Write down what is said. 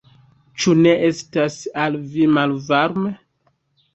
Ĉu ne estas al vi malvarme?